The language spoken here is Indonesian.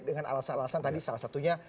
dengan alasan alasan tadi salah satunya